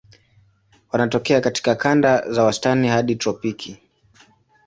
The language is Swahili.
Wanatokea katika kanda za wastani hadi tropiki.